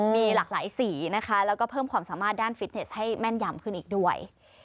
มีหลากหลายสีนะคะแล้วก็เพิ่มความสามารถด้านฟิตเนสให้แม่นยำขึ้นอีกด้วย